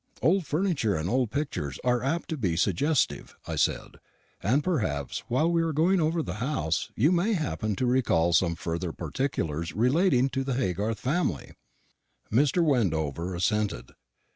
"Old furniture and old pictures are apt to be suggestive," I said; "and perhaps while we are going over the house you may happen to recall some further particulars relating to the Haygarth family." Mr. Wendover assented.